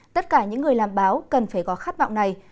tất cả những người làm báo cần phải có khát vọng này